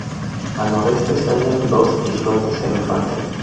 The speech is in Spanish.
Al noroeste se hallan los islotes Elefante.